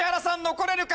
残れるか？